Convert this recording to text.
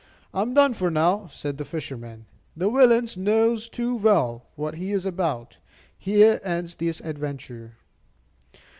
"I am done for now," said the fisherman; "the villain knows too well what he is about. Here ends this adventure."